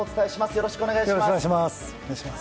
よろしくお願いします。